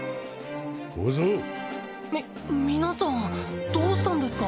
小僧み皆さんどうしたんですか？